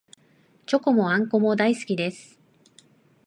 チョコもあんこも大好きです